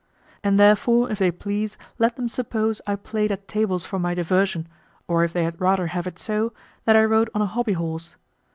And therefore if they please, let them suppose I played at tables for my diversion, or if they had rather have it so, that I rode on a hobbyhorse.